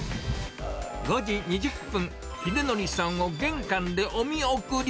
５時２０分、ひでのりさんを玄関でお見送り。